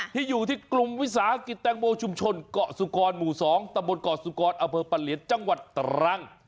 ที่อยู่ที่กลุ่มวิสาหกิจแตงโมชุมชนเกาะสุกรหมู่๒ตะบนเกาะสุกรอเภอปะเหลียนจังหวัดตรัง